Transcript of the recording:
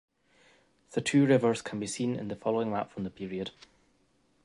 The two rivers can be seen in the following map from the period.